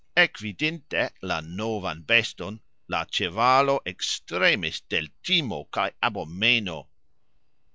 Ekvidinte la novan beston, la cxevalo ektremis de l' timo kaj abomeno.